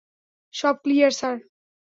সব clear, sir.